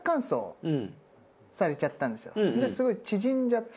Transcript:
ですごい縮んじゃって。